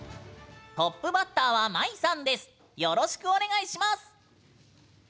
トップバッターはまいさん、よろしくお願いします。